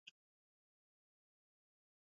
mabaharia walijaribu kuwasiliana na meli nyingine